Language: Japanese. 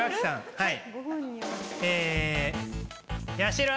はい。